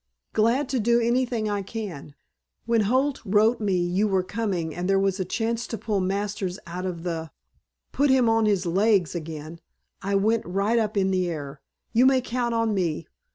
"Glad to do anything I can. When Holt wrote me you were coming and there was a chance to pull Masters out of the put him on his legs again, I went right up in the air. You may count on me.